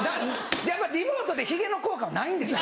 やっぱリモートでヒゲの効果はないんです。